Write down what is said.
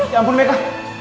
ya ampun meka